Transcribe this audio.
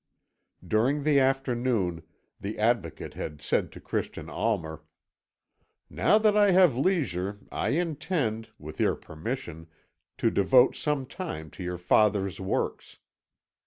During the afternoon, the Advocate had said to Christian Almer: "Now that I have leisure, I intend, with your permission, to devote some time to your father's works.